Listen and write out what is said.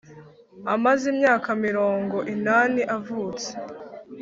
Amaze imyaka mirongo inani avutse.